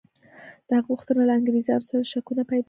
د هغه غوښتنه له انګرېزانو سره شکونه پیدا کړل.